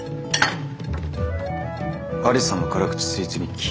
「アリサの辛口スイーツ日記」。